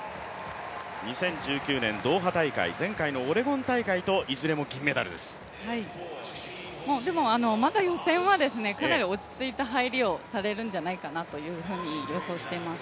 ２０１９年ドーハ大会、前回のオレゴン大会とでも予選はかなり落ち着いた入りをされるんじゃないかと予想してます。